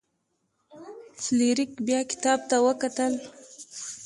فلیریک بیا کتاب ته وکتل.